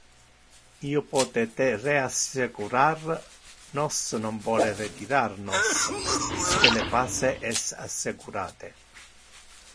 Io pote te reassecurar: nos non vole retirar nos, usque le pace es assecurate.